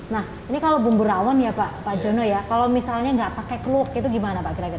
nah ini kalau bumbu rawon ya pak jono ya kalau misalnya nggak pakai kluk itu gimana pak kira kira